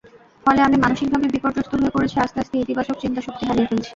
ফলে আমি মানসিকভাবে বিপর্যস্ত হয়ে পড়েছি, আস্তে আস্তে ইতিবাচক চিন্তাশক্তি হারিয়ে ফেলছি।